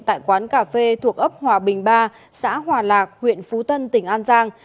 tại quán cà phê thuộc ấp hòa bình ba xã hòa lạc huyện phú tân tỉnh an giang